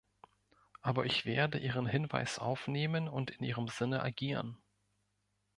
Aber ich werde Ihren Hinweis aufnehmen und in Ihrem Sinne agieren.